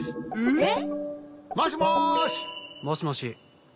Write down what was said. えっ！？